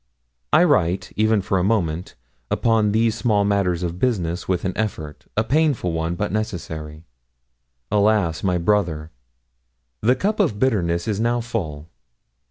I write, even for a moment, upon these small matters of business with an effort a painful one, but necessary. Alas! my brother! The cup of bitterness is now full.